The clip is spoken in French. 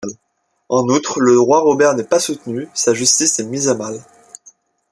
En outre, le roi Robert n’est pas soutenu, sa justice est mise à mal.